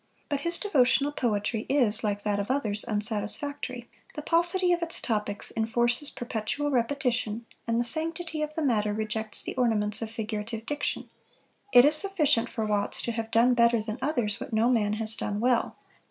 But his devotional poetry is, like that of others, unsatisfactory. The paucity of its topics enforces perpetual repetition, and the sanctity of the matter rejects the ornaments of figurative diction. It is sufficient for Watts to have done better than others what no man has done well.